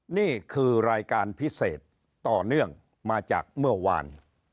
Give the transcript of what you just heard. นี่คือรายการพิเศษต่อเนื่องมาจากเมื่อวาน